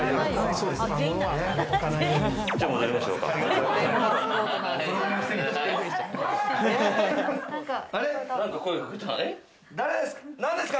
じゃあ戻りましょうか。